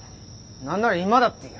何なら今だっていいよ。